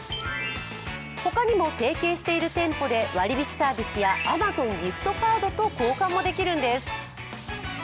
ほかにも提携している店舗で割引サービスやＡｍａｚｏｎギフトカードと交換もできるんです。